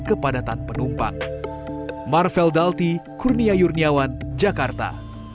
kepadatan penumpang marvel dalti kurnia yurniawan jakarta